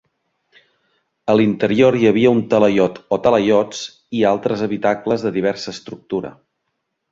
A l'interior hi havia un talaiot o talaiots i altres habitacles de diversa estructura.